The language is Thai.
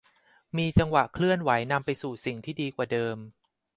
มีจังหวะเคลื่อนไหวนำไปสู่สิ่งที่ดีกว่าเดิม